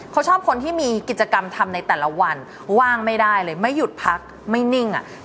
เขาชอบคนที่มีกิจกรรมทำในแต่ละวันว่างไม่ได้เลยไม่หยุดพักไม่นิ่งอ่ะ